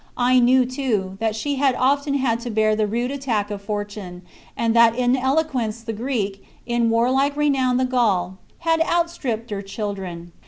I knew, too, that she had often had to bear the rude attack of fortune ; and that in eloquence the Greek, in warlike renown the Gaul, had outstripped her children.